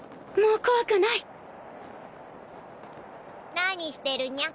・何してるニャ？